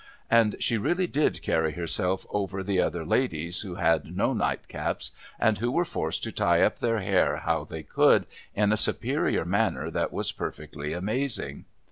And she really did carry herself over the other ladies who had no nightcaps^ and who were forced to tie up their hair how they could, in a superior manner that was perfectly amazing.